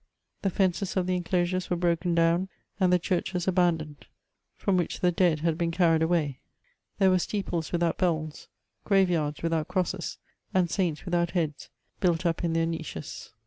The fences of the inclosures were broken down, and the churches abandoned, from which the dead had been carried away ; there were steeples without bells, graveyards without crosses, and saints without heads, built up in their niches.